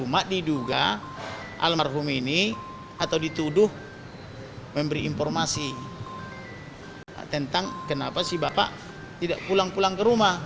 mak diduga almarhum ini atau dituduh memberi informasi tentang kenapa si bapak tidak pulang pulang ke rumah